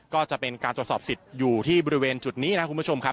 ก็จะเป็นการตรวจสอบสิทธิ์อยู่ที่บริเวณจุดนี้นะครับคุณผู้ชมครับ